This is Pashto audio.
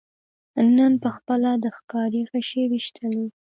نن پخپله د ښکاري غشي ویشتلی